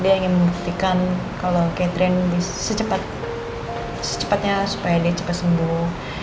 dia ingin membuktikan kalau catherine secepatnya supaya dia cepat sembuh